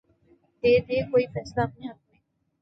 دے دے کوئی فیصلہ اپنے حق میں